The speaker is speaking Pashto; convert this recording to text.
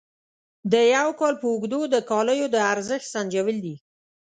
د یو کال په اوږدو د کالیو د ارزښت سنجول دي.